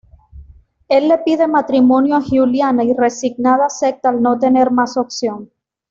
Él le pide matrimonio a Giuliana y resignada acepta, al no tener más opción.